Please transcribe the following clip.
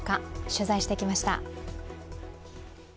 取材してきました。